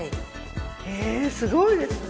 えすごいですね。